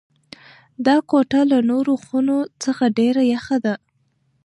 دا کوټه له نورو خونو څخه ډېره یخه ده.